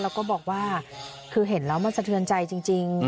แล้วก็บอกว่าคือเห็นแล้วมันสะเทือนใจจริง